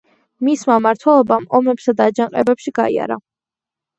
მისმა მმართველობამ ომებსა და აჯანყებებში გაიარა.